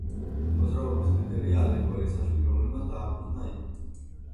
მოძრაობის ლიდერია ალეკო ელისაშვილი რომელმაც დააფუძნა იგი.